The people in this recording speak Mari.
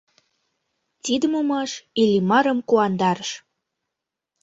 Тиде мумаш Иллимарым куандарыш.